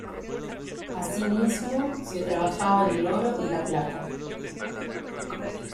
Asimismo se trabajaban el oro y la plata.